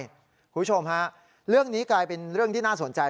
คุณผู้ชมฮะเรื่องนี้กลายเป็นเรื่องที่น่าสนใจ